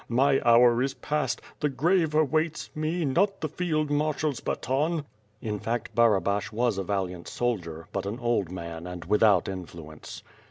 My hour is past — the grave awaits me, not the field marshaFs baton." In fact Barabash was a valiant soldier, but an old man and without influence.